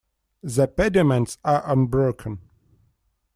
The pediments are unbroken.